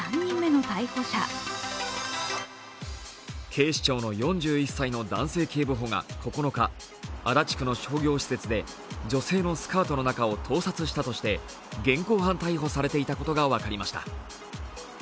警視庁の４１歳の男性警部補が９日足立区の商業施設で女性のスカートの中を盗撮したとして現行犯逮捕されていたことが分かりました。